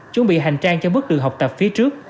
chuẩn bị hành trang cho bước đường học tập phía trước